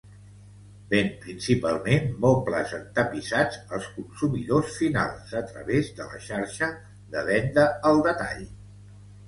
Ven principalment mobles entapissats als consumidors finals a través de la xarxa de venda al detall.